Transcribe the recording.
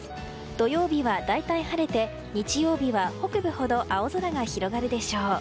土曜日は大体晴れて日曜日は北部ほど青空が広がるでしょう。